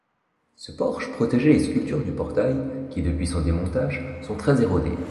Ce porche protégeait les sculptures du portail, qui depuis son démontage, sont très érodées.